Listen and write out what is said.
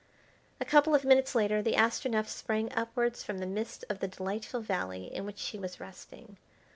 A couple of minutes later the Astronef sprang upwards from the midst of the delightful valley in which she was resting.